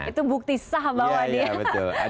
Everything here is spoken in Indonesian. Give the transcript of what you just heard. itu bukti sah bahwa dia